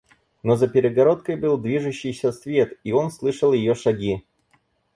Но за перегородкой был движущийся свет, и он слышал ее шаги.